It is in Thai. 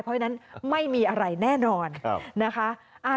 เพราะฉะนั้นไม่มีอะไรแน่นอนนะคะ